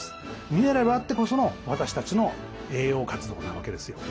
ミネラルあってこその私たちの栄養活動なわけですよ。